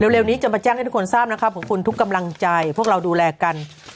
เร็วนี้จะมาแจ้งให้ทุกคนทราบนะครับของคุณทุกกำลังใจพวกเราดูแลกัน